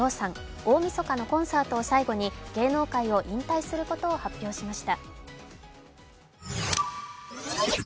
大みそかのコンサートを最後に芸能界を引退することを発表しました。